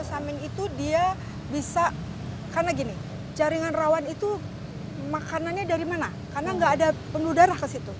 sumen itu dia bisa karena gini jaringan rawan itu makanannya dari mana karena enggak ada penuh darah